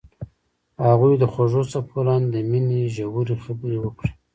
هغوی د خوږ څپو لاندې د مینې ژورې خبرې وکړې.